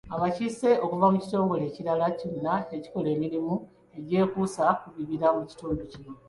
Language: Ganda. Abakiise okuva mu kitongole ekirala kyonna ekikola emirimu egyekuusa ku bibira mu kitundu.